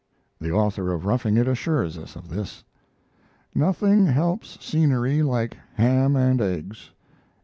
The author of 'Roughing It' assures us of this: Nothing helps scenery like ham and eggs.